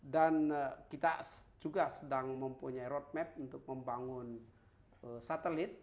dan kita juga sedang mempunyai roadmap untuk membangun satelit